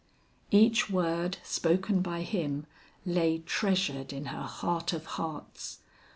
Each word spoken by him lay treasured in her heart of hearts.